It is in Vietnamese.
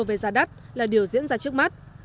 về giá đắt là điều diễn ra trước mắt